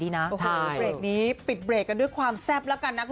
เรียนไปกันด้วยความแทบ